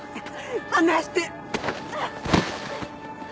離して！